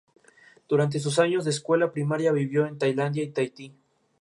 Durante sus años de escuela primaria vivió en Tailandia y Tahití.